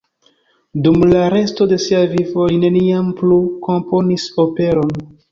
Dum la resto de sia vivo li neniam plu komponis operon.